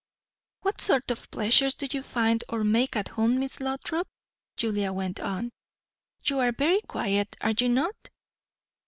"What sort of pleasures do you find, or make, at home, Miss Lothrop?" Julia went on. "You are very quiet, are you not?"